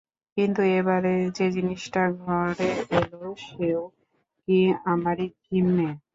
কিন্তু এবারে যে-জিনিসটা ঘরে এল সেও কি আমারই জিম্মে?